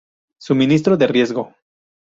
Suministro de riesgo.